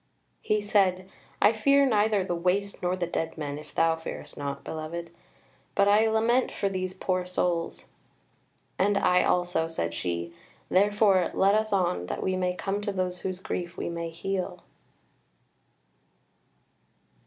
He said: "I fear neither the Waste nor the dead men if thou fearest not, beloved: but I lament for these poor souls." "And I also," said she; "therefore let us on, that we may come to those whose grief we may heal."